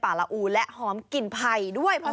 แต่ว่าก่อนอื่นเราต้องปรุงรสให้เสร็จเรียบร้อย